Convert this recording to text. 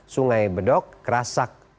sungai bedok kerasak